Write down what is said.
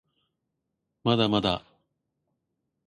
まだまだ